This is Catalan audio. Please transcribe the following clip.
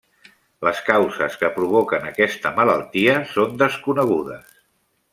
Les causes que provoquen aquesta malaltia són desconegudes.